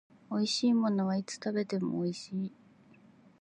美味しいものはいつ食べても美味しい